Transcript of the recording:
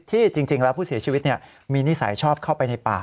จริงแล้วผู้เสียชีวิตมีนิสัยชอบเข้าไปในป่า